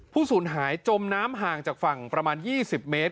สูญหายจมน้ำห่างจากฝั่งประมาณ๒๐เมตร